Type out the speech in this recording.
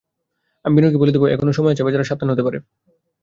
আমি বিনয়কে বলে দেব, এখনো সময় আছে, বেচারা সাবধান হতে পারে।